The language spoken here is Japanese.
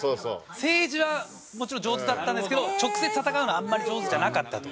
政治はもちろん上手だったんですけど直接戦うのはあんまり上手じゃなかったと。